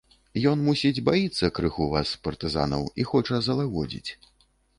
Ён, мусіць, баіцца крыху вас, партызанаў, і хоча залагодзіць.